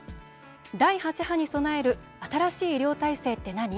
第８波に備える新しい医療体制って何？